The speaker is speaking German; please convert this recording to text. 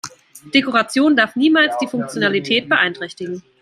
Dekoration darf niemals die Funktionalität beeinträchtigen.